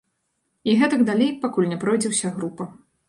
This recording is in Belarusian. І гэтак далей, пакуль не пройдзе ўся група.